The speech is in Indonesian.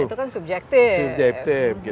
itu kan subjektif